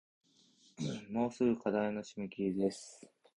もうすぐ課題の締切です